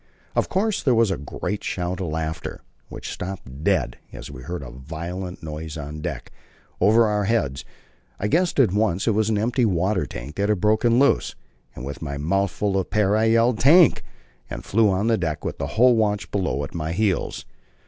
Of course there was a great shout of laughter, which stopped dead as we heard a violent noise on deck, over our heads; I guessed at once it was an empty water tank that had broken loose, and with my mouth full of pear I yelled "Tank!" and flew on deck with the whole watch below at my heels.